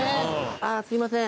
あっすいません